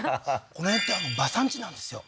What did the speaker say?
この辺って馬産地なんですよ